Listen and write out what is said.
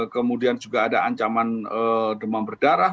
kemudian juga ada ancaman demam berdarah